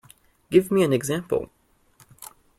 Give me an example